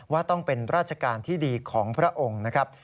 ว่าต้องเป็นราชการที่ดีของพระองค์นะครับ